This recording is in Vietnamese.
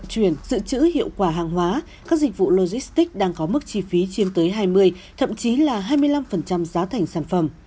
vận chuyển dự trữ hiệu quả hàng hóa các dịch vụ logistics đang có mức chi phí chiếm tới hai mươi thậm chí là hai mươi năm giá thành sản phẩm